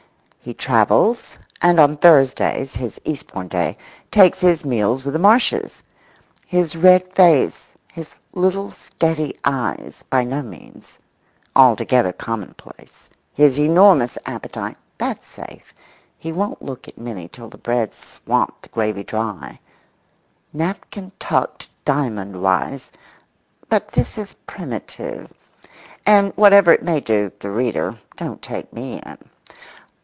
He travels, and on Thursdays, his Eastbourne day, takes his meals with the Marshes. His red face, his little steady eyes—by no means. altogether commonplace—his enormous appetite (that's safe; he won't look at Minnie till the bread's swamped the gravy dry), napkin tucked diamond wise—but this is primitive, and, whatever it may do the reader, don't take me in.